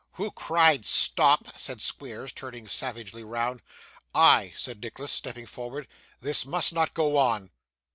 'Who cried stop?' said Squeers, turning savagely round. 'I,' said Nicholas, stepping forward. 'This must not go on.